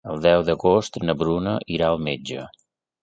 El deu d'agost na Bruna irà al metge.